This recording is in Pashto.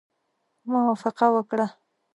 موافقه وکړه.